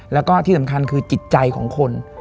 แล้วก็ที่สำคัญคือจิตใจของคน